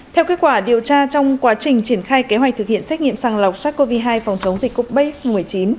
theo kết quả điều tra trong quá trình triển khai kế hoạch thực hiện xét nghiệm sàng lọc sars cov hai phòng chống dịch covid một mươi chín